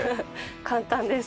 簡単です。